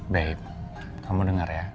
beb kamu dengar ya